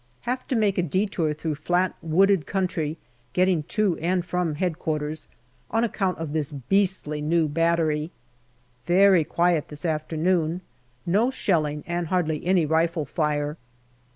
Have to make detour through flat wooded country, getting to and from H.Q., on account of this beastly new battery. Very quiet this afternoon ; no shelling, and hardly any rifle fire.